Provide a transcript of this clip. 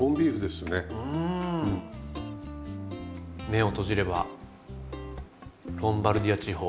目を閉じればロンバルディア地方。